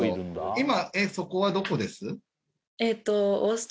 今そこはどこです？